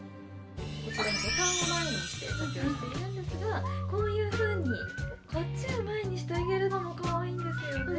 こちらボタンを前にして着用しているんですがこういうふうにこっちを前にしてあげるのもかわいいんですよね。